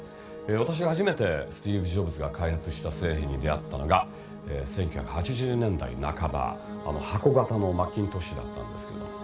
私が初めてスティーブ・ジョブズが開発した製品に出会ったのが１９８０年代半ばあの箱形のマッキントッシュだったんですけれども。